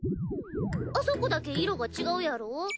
あそこだけ色が違うやろ？